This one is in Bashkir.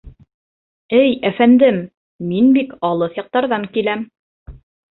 — Эй әфәндем, мин бик алыҫ яҡтарҙан киләм.